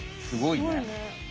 すごいね。